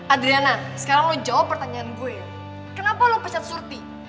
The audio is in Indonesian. adriana sekarang lo jawab pertanyaan gue kenapa lo pecat surti